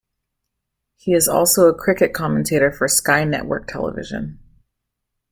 He is also a cricket commentator for Sky Network Television.